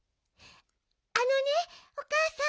あのねおかあさん。